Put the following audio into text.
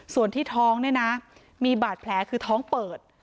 ส่วนที่ท้องเนี่ยนะมีบาดแผลคือท้องเปิด